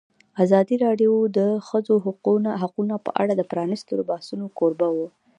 ازادي راډیو د د ښځو حقونه په اړه د پرانیستو بحثونو کوربه وه.